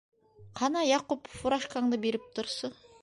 - Ҡана, Яҡуп, фуражкаңды биреп торсо.